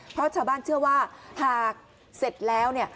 เพราะชาวบ้านเชื่อว่าหากเสร็จแล้วเนี่ย